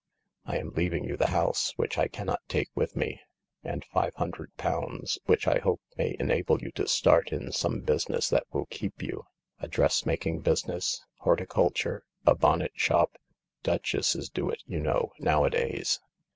" I am leaving you the house, which I cannot take with me, and £500, which I hope may enable you to start in some business that will keep you. A dressmaking business ? Horticulture ? A bonnet shop ? Duchesses do it, you know* nowadays.